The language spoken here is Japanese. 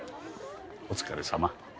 お疲れさま。